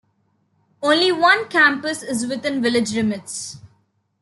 Only one campus is within village limits.